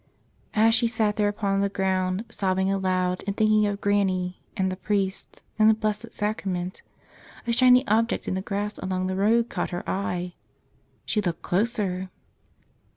As she sat there upon the ground, sobbing aloud and thinking of Granny — and the priest — and the Blessed Sacrament, a shiny object in the grass along the road caught her eye. She looked closer.